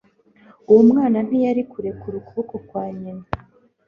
Uwo mwana ntiyari kurekura ukuboko kwa nyina.